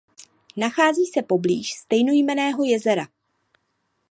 Nachází se poblíž stejnojmenného jezera.